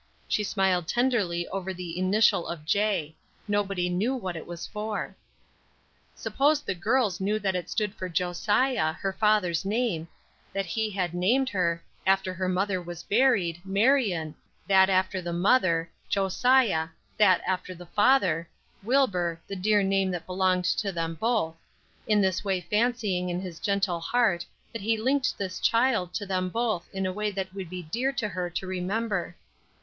She smiled tenderly over the initial of "J" nobody knew what that was for. Suppose the girls knew that it stood for "Josiah," her father's name; that he had named her, after the mother was buried, Marion that after the mother, Josiah that after the father, Wilbur the dear name that belonged to them both; in this way fancying in his gentle heart that he linked this child to them both in a way that would be dear to her to remember.